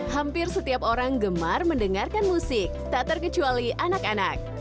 hampir setiap orang gemar mendengarkan musik tak terkecuali anak anak